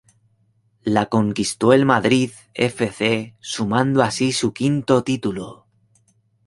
La conquistó el Madrid F. C. sumando así su quinto título.